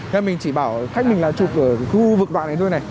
thế mình chỉ bảo khách mình là chụp ở khu vực đoạn này thôi này